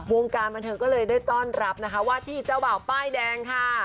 วงการบันเทิงก็เลยได้ต้อนรับนะคะว่าที่เจ้าบ่าวป้ายแดงค่ะ